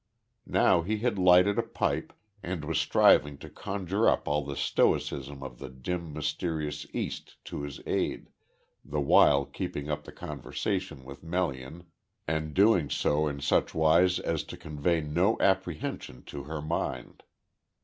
Now he had lighted a pipe, and was striving to conjure up all the stoicism of the dim mysterious East to his aid, the while keeping up the conversation with Melian, and doing so in such wise as to convey no apprehension to her mind.